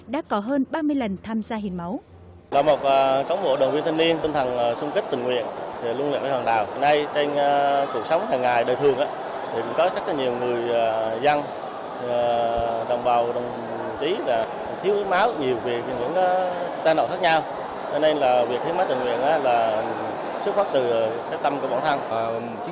đã có hơn ba mươi lần tham gia hiến máu